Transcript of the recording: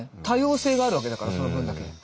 多様性があるわけだからその分だけ。